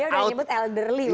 dia udah nyebut elderly